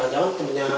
gak ada temennya